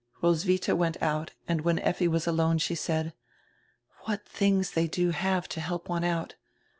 Roswitha went out and when Effi was alone she said: "What tilings they do have to help one out!